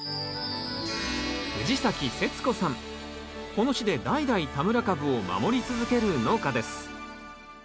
この地で代々田村かぶを守り続ける農家です